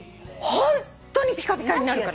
ホントにピカピカになるから。